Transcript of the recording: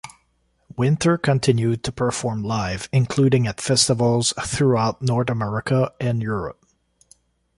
Winter continued to perform live, including at festivals throughout North America and Europe.